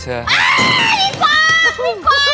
แต่น้องไม่ยอมค่ะ